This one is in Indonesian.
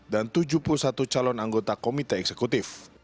dan tujuh puluh satu calon anggota komite eksekutif